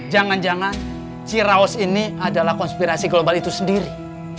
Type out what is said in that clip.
jangan jangan ciraos ini adalah konspirasi global itu sendiri